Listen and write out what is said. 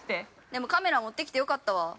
◆でも、カメラ持ってきてよかったわ。